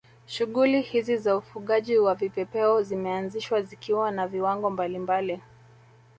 Shughuli hizi za ufugaji wa vipepeo zimeanzishwa zikiwa na viwango mbalimbali